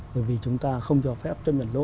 bởi vì chúng ta không cho phép chấp nhận lỗ